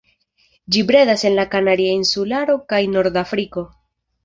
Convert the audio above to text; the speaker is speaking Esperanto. Ĝi bredas en la Kanaria Insularo kaj norda Afriko.